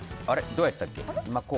どうやったっけ？